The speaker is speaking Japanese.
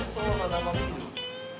生ビール。